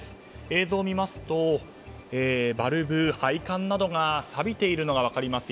映像を見ますとバルブ、配管などがさびているのが分かります。